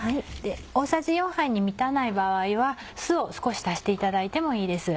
大さじ４杯に満たない場合は酢を少し足していただいてもいいです。